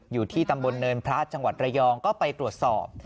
อยู่ที่ตำบลเนินพระจังหวัดระยองก็ไปตรวจสอบ